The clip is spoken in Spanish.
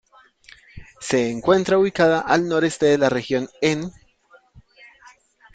Se encuentra ubicada al noreste de la región, enn.